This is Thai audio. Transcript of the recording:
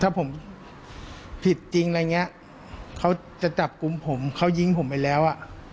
ถ้าผมผิดจริงอะไรอย่างเงี้ยเขาจะจับกลุ่มผมเขายิงผมไปแล้วอ่ะ